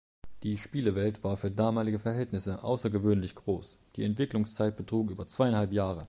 Die Spielewelt war für damalige Verhältnisse außergewöhnlich groß, die Entwicklungszeit betrug über zweieinhalb Jahre.